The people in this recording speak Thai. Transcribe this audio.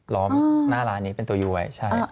ล้อมหน้าร้านนี้เป็นตัวยใช่